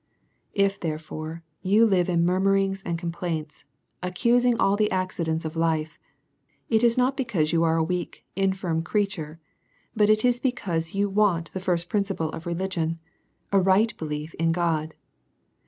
If, therefore^ you live in murmurings and com plaintSj accusing all the accidents of life^ it is not be cause you are a Avcak^ infirm creature^ but it is be cause you Avant the first principle of religion,, a right belief in God.